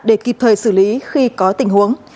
để kịp thời xử lý khi có tình huống